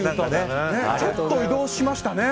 ちょっと移動しましたね。